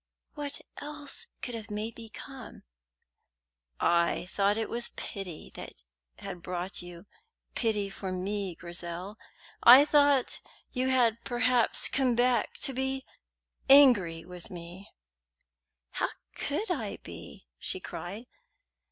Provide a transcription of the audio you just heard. "What else could have made me come?" "I thought it was pity that had brought you pity for me, Grizel. I thought you had perhaps come back to be angry with me " "How could I be!" she cried.